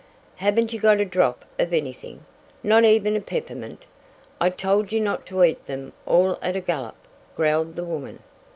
"Heven't you got a drop of anything? Not even a peppermint? I told you not to eat them all at a gullup," growled the woman.